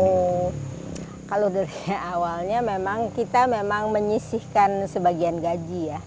oh kalau dari awalnya memang kita memang menyisihkan sebagian gaji ya